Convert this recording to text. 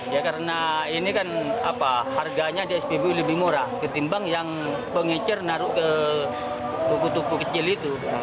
ya karena ini kan harganya di spbu lebih murah ketimbang yang pengecer naruh ke buku toko kecil itu